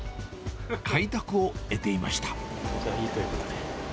快諾を得ていました。